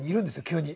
急に。